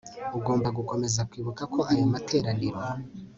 ugomba gukomeza kwibuka ko ayo materaniro